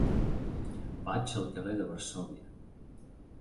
Vaig al carrer de Varsòvia.